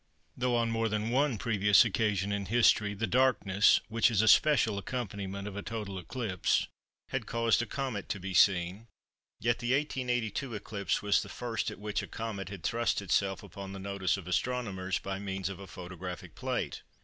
Though on more than one previous occasion in history the darkness which is a special accompaniment of a total eclipse had caused a comet to be seen, yet the 1882 eclipse was the first at which a comet had thrust itself upon the notice of astronomers by means of a photographic plate.